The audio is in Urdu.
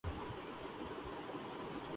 میری مدد کرو